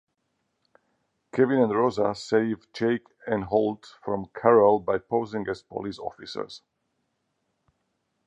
Kevin and Rosa save Jake and Holt from Carol by posing as police officers.